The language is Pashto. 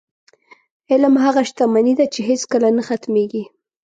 علم هغه شتمني ده، چې هېڅکله نه ختمېږي.